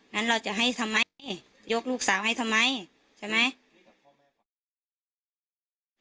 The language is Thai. งั้นเราจะให้ทำไมยกลูกสาวให้ทำไมใช่ไหม